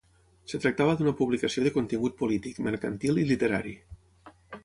Es tractava d'una publicació de contingut polític, mercantil i literari.